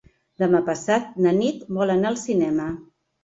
Demà passat na Nit vol anar al cinema.